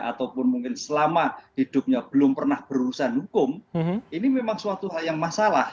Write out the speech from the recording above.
ataupun mungkin selama hidupnya belum pernah berurusan hukum ini memang suatu hal yang masalah